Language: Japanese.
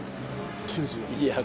９０。